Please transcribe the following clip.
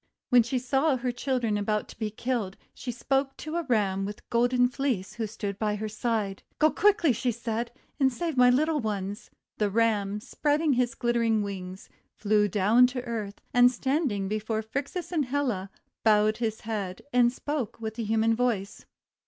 When she saw her children about to be killed she spoke to a Ram wath Golden Fleece who stood by her side :— "Go quickly," said she, 'sand save my little ones." The Ram, spreading his glittering wings, flew down to earth, and, standing before Phrixus and Helle, bowed his head and spoke with a human voice.